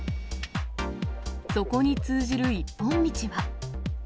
そこに通じる一本道は。